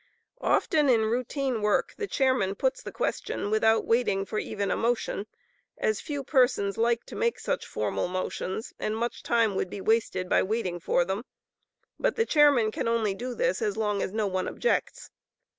Often in routine work the chairman puts the question without waiting for even a motion, as few persons like to make such formal motions, and much time would be wasted by waiting for them: (but the chairman can only do this as long as no one objects.)